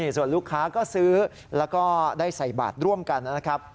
ส่วนลูกค้าก็ซื้อแล้วก็ได้ใส่บาทร่วมกันนะครับ